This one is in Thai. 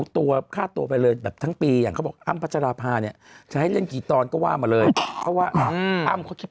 ถ้าสมมุติจะเอาความที่